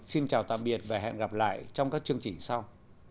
xin chào tạm biệt và hẹn gặp lại trong các chương trình sau